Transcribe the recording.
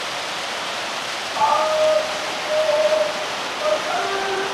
توري چرگي سپيني هگۍ اچوي.